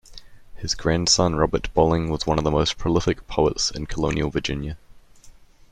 His grandson Robert Bolling was one of the most prolific poets in colonial Virginia.